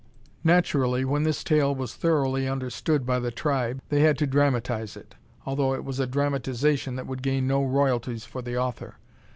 Naturally, when this tale was thoroughly understood by the tribe, they had to dramatize it, although it was a dramatization that would gain no royalties for the author.